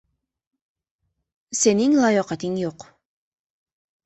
“Sening layoqating yo‘q”.